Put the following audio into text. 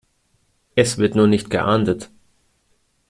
Es wird nur nicht geahndet.